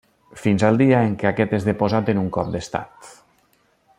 Fins al dia en què aquest és deposat en un cop d'estat.